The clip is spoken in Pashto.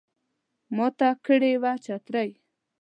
ماته کړي وه چترۍ